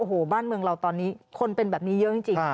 โอ้โหบ้านเมืองเราตอนนี้คนเป็นแบบนี้เยอะจริง